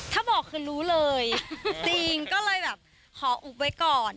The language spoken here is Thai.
ถ้าบอกคือรู้เลยจริงก็เลยแบบขออุบไว้ก่อน